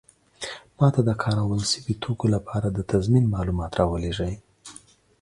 ما ته د کارول شوي توکو لپاره د تضمین معلومات راولیږئ.